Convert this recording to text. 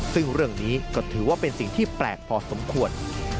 ซึ่งเรื่องนี้ก็ถือว่าเป็นสิ่งที่แปลกพอสมควร